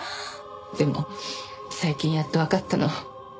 でも最近やっとわかったの。